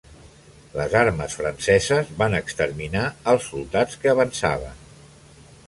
Les armes franceses van exterminar els soldats que avançaven.